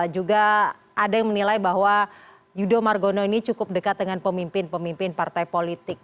juga ada yang menilai bahwa yudho margono ini cukup dekat dengan pemimpin pemimpin partai politik